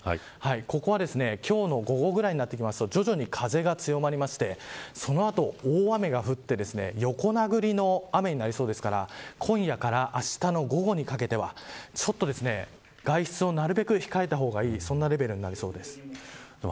ここは、今日の午後ぐらいになってくると徐々に風が強まってその後、大雨が降って横殴りの雨になりそうですから今夜からあしたの午後にかけてはちょっと外出はなるべく控えた方がいいレベルになりそうです。